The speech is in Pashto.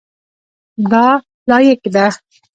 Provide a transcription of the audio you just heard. دا لاییک ده.